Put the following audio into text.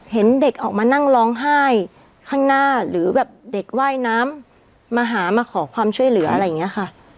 เห็นเด็กออกมานั่งร้องไห้ข้างหน้าหรือแบบเด็กว่ายน้ำมาหามาขอความช่วยเหลืออะไรอย่างนี้ค่ะ